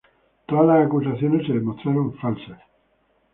Todas las acusaciones se demostraron falsas.